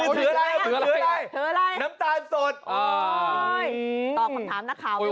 เธออะไรน้ำตาลสดโอ้ยตอบคำถามนักข่าวไม่ไหวนะ